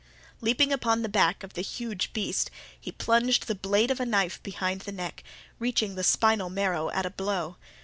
Leaping upon the back of the huge beast, he plunged the blade of a knife behind the neck, reaching the spinal marrow at a blow.